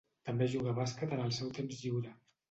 També juga a bàsquet en el seu temps lliure.